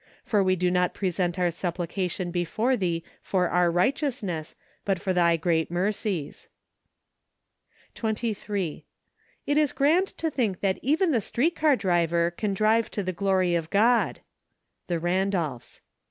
. for ice do not present our supplications before thee for our righteousness, but for thy great mercies ." 23. It is grand to think that even the street car driver can drive for the glory of God. The Randolphs.